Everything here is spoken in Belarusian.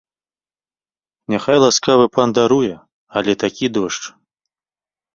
Няхай ласкавы пан даруе, але такі дождж.